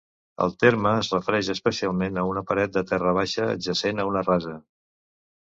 El terme es refereix especialment a una paret de terra baixa adjacent a una rasa.